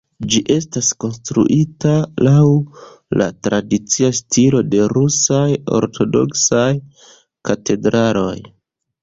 Ĝi estis konstruita laŭ la tradicia stilo de rusaj ortodoksaj katedraloj.